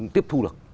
tiếp thu được